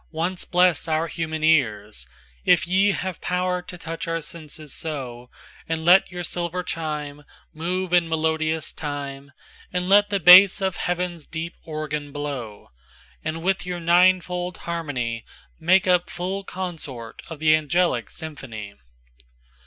Once bless our human ears, If ye have power to touch our senses so; And let your silver chimeMove in melodious time; And let the bass of heaven's deep organ blow; And with your ninefold harmonyMake up full consort of the angelic symphony.